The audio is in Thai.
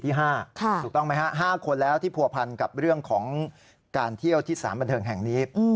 ถูกต้องไหมฮะ๕คนแล้วที่ผัวพันกับเรื่องของการเที่ยวที่สารบันเทิงแห่งนี้